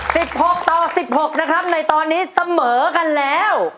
หกต่อสิบหกนะครับในตอนนี้เสมอกันแล้ว